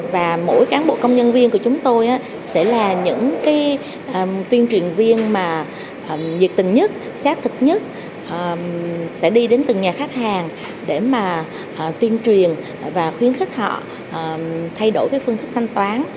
và mỗi cán bộ công nhân viên của chúng tôi sẽ là những cái tuyên truyền viên mà nhiệt tình nhất xác thực nhất sẽ đi đến từng nhà khách hàng để mà tuyên truyền và khuyến khích họ thay đổi cái phương thức thanh toán